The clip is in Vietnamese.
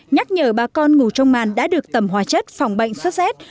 nhắc nhở bà con ngủ trong màn đã được tầm hòa chất phòng bệnh xuất xét